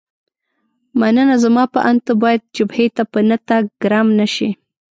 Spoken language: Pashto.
مننه، زما په اند ته باید جبهې ته په نه تګ ګرم نه شې.